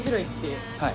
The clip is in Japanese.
はい。